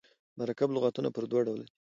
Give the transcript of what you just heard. مرکب لغاتونه پر دوه ډوله دي.